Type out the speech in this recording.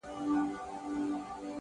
نیک اخلاق د انسان ښکلی میراث دی؛